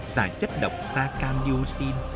giải chất động da cam điều xin